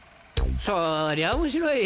そりゃ面白い。